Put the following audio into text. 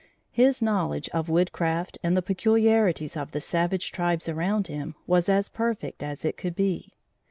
His knowledge of woodcraft and the peculiarities of the savage tribes around him was as perfect as it could be.